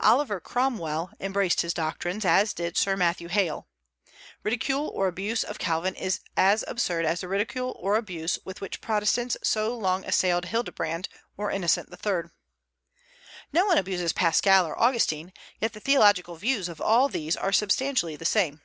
Oliver Cromwell embraced his doctrines, as also did Sir Matthew Hale. Ridicule or abuse of Calvin is as absurd as the ridicule or abuse with which Protestants so long assailed Hildebrand or Innocent III. No one abuses Pascal or Augustine, and yet the theological views of all these are substantially the same.